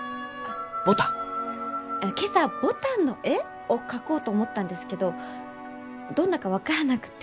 今朝牡丹の絵？を描こうと思ったんですけどどんなか分からなくて。